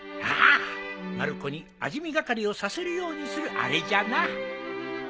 ああまる子に味見係をさせるようにするあれじゃな。